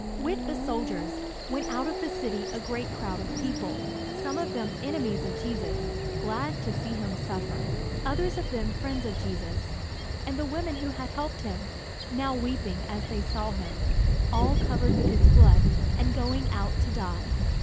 With the soldiers, went out of the city a great crowd of people; some of them enemies of Jesus, glad to see him suffer; others of them friends of Jesus, and the women who had helped him, now weeping as they saw him, all covered with his blood and going out to die.